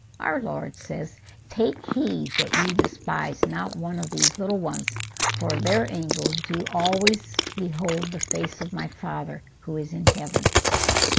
Our Lord says, 'Take heed that ye despise not one of these little ones, for their angels do always behold the face of my Father, who is in heaven.